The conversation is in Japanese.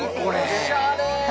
・おしゃれ！